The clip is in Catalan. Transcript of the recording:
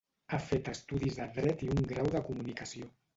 Ha fet estudis de dret i un grau de comunicació.